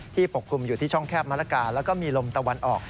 ปกคลุมอยู่ที่ช่องแคบมะละกาแล้วก็มีลมตะวันออก